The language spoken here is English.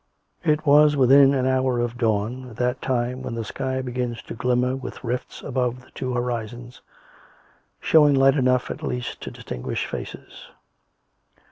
It was within an hour of dawn, at that time when the sky begins to glimmer with rifts above the two horizons, showing light enough at least to distinguish faces.